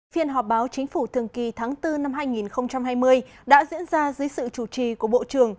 phiên họp báo chính phủ thường kỳ tháng bốn năm hai nghìn hai mươi đã diễn ra dưới sự chủ trì của bộ trưởng